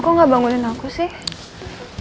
aku gak bangunin aku sih